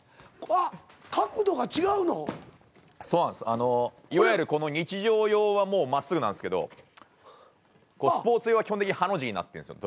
あのいわゆるこの日常用はもうまっすぐなんですけどスポーツ用は基本的にハの字になってるんですよ